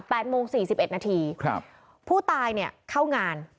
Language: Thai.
โมงสี่สิบเอ็ดนาทีครับผู้ตายเนี่ยเข้างาน